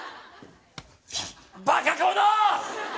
バカこの！